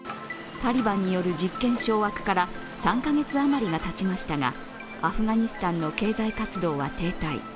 タリバンによる実権掌握から３カ月あまりがたちましたがアフガニスタンの経済活動は停滞。